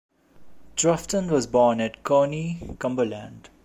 Troughton was born at Corney, Cumberland.